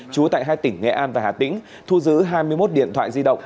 chú tại hai tỉnh nghệ an và hà tĩnh thu giữ hai mươi một điện thoại di động